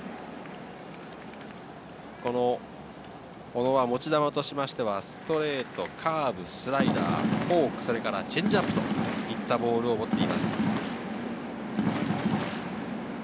小野は持ち球としてストレート、カーブ、スライダー、フォーク、チェンジアップといったボールを持っています。